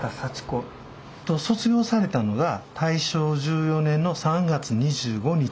卒業されたのが大正１４年の３月２５日。